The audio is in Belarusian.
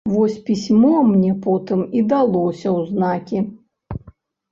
Вось пісьмо мне потым і далося ў знакі.